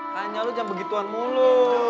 tanya lu jam begituan mulu